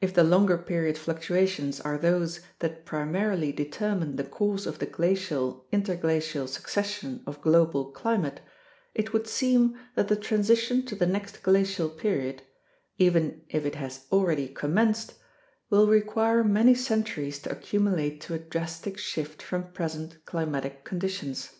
If the longer period fluctuations are those that primarily determine the course of the glacial interglacial succession of global climate, it would seem that the transition to the next glacial period — even if it has already commenced — will require many centuries to accumulate to a drastic shift from present climatic conditions.